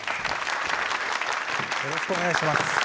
よろしくお願いします。